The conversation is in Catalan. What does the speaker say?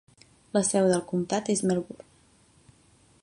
La seu del comtat és Melbourne.